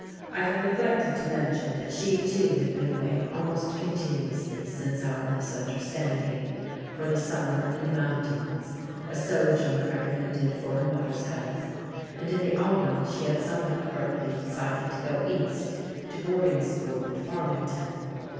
I have neglected to mention that she too had been away almost continuously since our misunderstanding, for the summer in the mountains, a sojourn recommended for her mother's health; and in the autumn she had somewhat abruptly decided to go East to boarding school at Farmington.